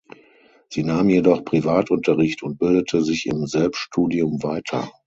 Sie nahm jedoch Privatunterricht und bildete sich im Selbststudium weiter.